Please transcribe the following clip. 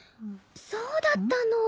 そうだったの。